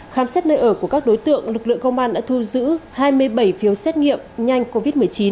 khám xét nơi ở của các đối tượng lực lượng công an đã thu giữ hai mươi bảy phiếu xét nghiệm nhanh covid một mươi chín